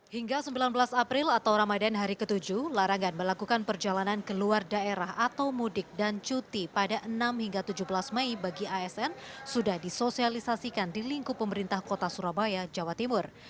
hingga sembilan belas april atau ramadan hari ke tujuh larangan melakukan perjalanan ke luar daerah atau mudik dan cuti pada enam hingga tujuh belas mei bagi asn sudah disosialisasikan di lingkup pemerintah kota surabaya jawa timur